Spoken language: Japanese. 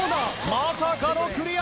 まさかのクリア！